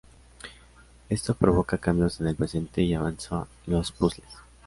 Esto provoca cambios en el presente y avanza los puzzles.